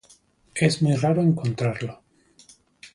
Es muy raro encontrarlo.